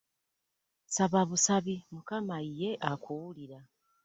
Sababusabi Mukama ye akuwulira.